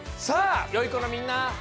さあよいこのみんな！